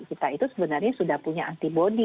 kita itu sebenarnya sudah punya antibody